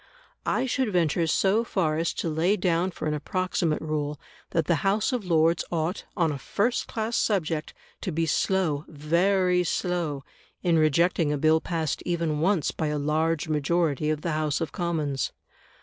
I should venture so far as to lay down for an approximate rule, that the House of Lords ought, on a first class subject, to be slow very slow in rejecting a Bill passed even once by a large majority of the House of Commons.